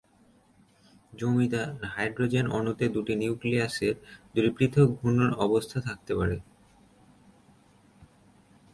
হাইড্রোজেনের অণুতে দুটি নিউক্লিয়াসের দুটি পৃথক ঘূর্ণন অবস্থা থাকতে পারে।